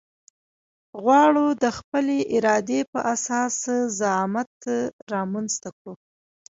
غواړو د خپلې ارادې په اساس زعامت رامنځته کړو.